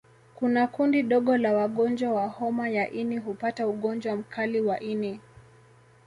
Kuna kundi dogo la wagonjwa wa homa ya ini hupata ugonjwa mkali wa ini